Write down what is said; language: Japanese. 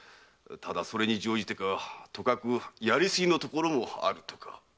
ただそれに乗じてかとかくやりすぎのところもあるとか。